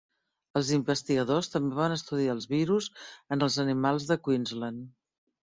Els investigadors també van estudiar els virus en els animals de Queensland.